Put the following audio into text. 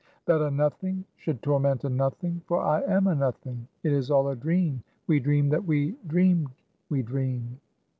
"That a nothing should torment a nothing; for I am a nothing. It is all a dream we dream that we dreamed we dream."